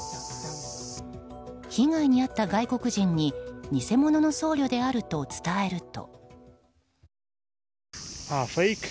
被害に遭った外国人に偽者の僧侶であると伝えると。